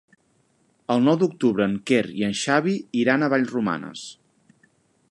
El nou d'octubre en Quer i en Xavi iran a Vallromanes.